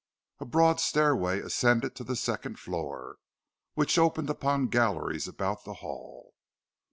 A broad stairway ascended to the second floor, which opened upon galleries about the hall.